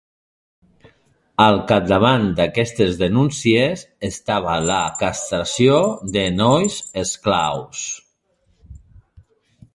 Al capdavant d'aquestes denúncies estava la castració de nois esclaus.